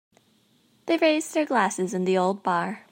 They raised their glasses in the old bar.